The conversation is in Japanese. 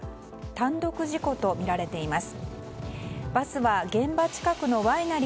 単独事故とみられています。